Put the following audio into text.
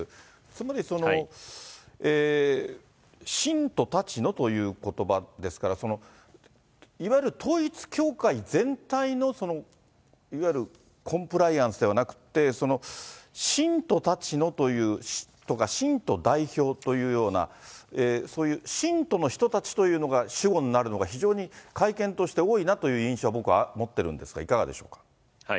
つまり信徒たちのということば、ですから、いわゆる統一教会全体のいわゆるコンプライアンスではなくて、信徒たちのというとか、信徒代表というような、そういう信徒の人たちが主語になるのが、非常に会見として多いなという印象、僕は持ってるんですが、いかがでしょうか。